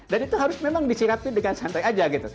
dan itu harus memang disirapi dengan santai aja gitu